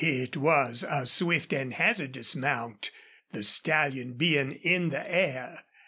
It was a swift and hazardous mount, the stallion being in the air.